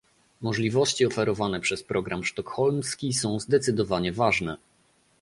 Możliwości oferowane przez program sztokholmski są zdecydowanie ważne